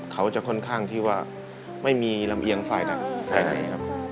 เขาจะค่อนข้างที่ว่าไม่มีลำเอียงฝ่ายไหนฝ่ายไหนครับ